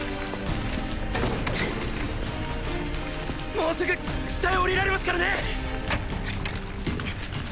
もうすぐ地上へ降りられますからね。